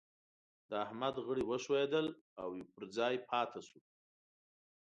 د احمد غړي وښوئېدل او پر ځای پاته شو.